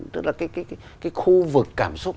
tức là cái khu vực cảm xúc